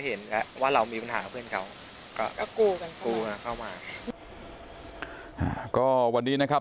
เห็นนะว่าเรามีปัญหาเพื่อนเขากลับกูไหวเข้ามาก็วันนี้นะครับ